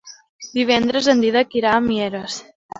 Divendres en Dídac irà a Mieres.